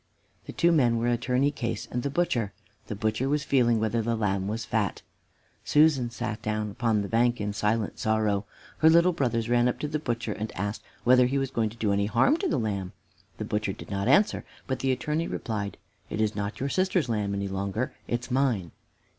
The two men were Attorney Case and the butcher. The butcher was feeling whether the lamb was fat. Susan sat down upon the bank in silent sorrow. Her little brothers ran up to the butcher and asked whether he was going to do any harm to the lamb. The butcher did not answer, but the Attorney replied, "It is not your sister's lamb any longer; it's mine."